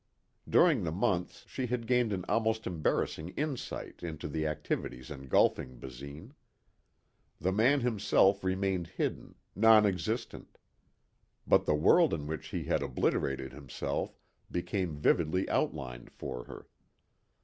During the months she had gained an almost embarrassing insight into the activities engulfing Basine. The man himself remained hidden, non existent. But the world in which he had obliterated himself became vividly outlined for her.